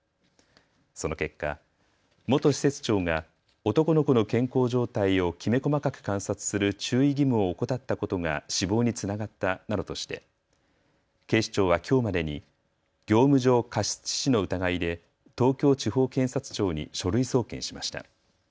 その結果、元施設長が男の子の健康状態をきめ細かく観察する注意義務を怠ったことが死亡につながったなどとして警視庁はきょうまでに業務上過失致死の疑いで東京地方検察庁に書類送検しました。